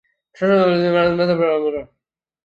市树是一个城市的代表树木。